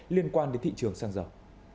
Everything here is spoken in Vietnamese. liên quan đến thị trường sang giàu